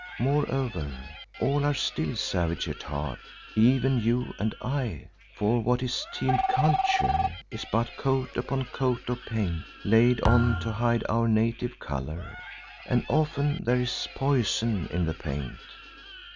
Moreover, all are still savage at heart, even you and I. For what is termed culture is but coat upon coat of paint laid on to hide our native colour, and often there is poison in the paint.